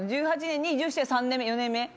１８年に移住して３年目４年目。